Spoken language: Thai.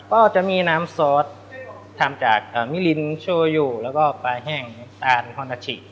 ก็จะมีน้ำซอสทำจากมิลินโชยูแล้วก็ปลาแห้งตาลฮอนนาชิ